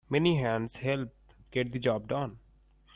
Many hands help get the job done.